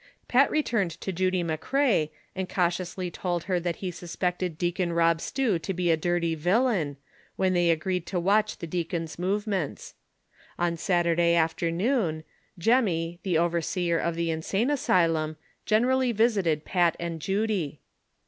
Pat returned to Judy McCrea, and cautiously told her that he suspected Deacon Eob Stew to be a dirty villain, when they agreed to watch the deacon's movements. On Saturday afternoon. Jemmy, the overseer of the insane asylum, generally visited Pat and Judy.